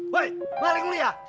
woy balik dulu ya